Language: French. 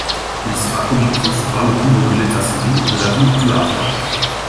Il sera commis principal au bureau de l'état civil de la ville du Havre.